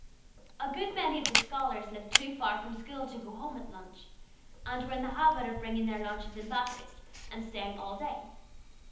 A good many of the scholars lived too far from school to go home at noon, and were in the habit of bringing their lunches in baskets, and staying all day.